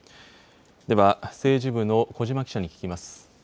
では、政治部の小嶋記者に聞きます。